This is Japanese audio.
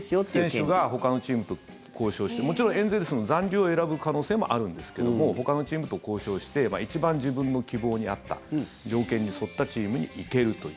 選手がほかのチームと交渉してもちろんエンゼルスの残留を選ぶ可能性もあるんですけどもほかのチームと交渉して一番自分の希望に合った条件に沿ったチームに行けるという。